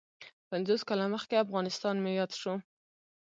پنځوس کاله مخکې افغانستان مې یاد شو.